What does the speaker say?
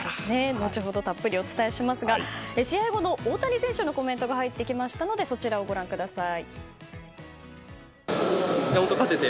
後ほどたっぷりお伝えしますが試合後の大谷選手のコメントが入ってきましたのでそちらをご覧ください。